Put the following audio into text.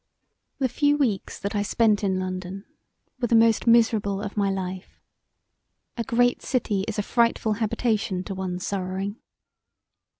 The few weeks that I spent in London were the most miserable of my life: a great city is a frightful habitation to one sorrowing.